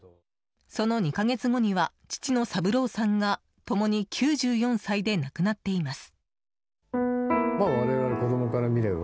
その２か月後には父の三郎さんが共に９４歳で亡くなっています。